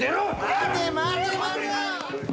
待て待て待て！